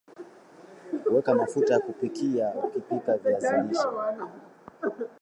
Mnamo miaka ya hivi karibuni idhaa imepanuka na